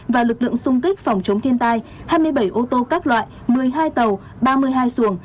và lực lượng sung kích phòng chống thiên tai hai mươi bảy ô tô các loại một mươi hai tàu ba mươi hai xuồng